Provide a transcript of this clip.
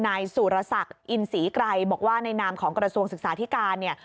นายสุรศักดิ์อินศรีไกรบอกว่าในนามของกระทรวงศึกษาธิการเนี่ย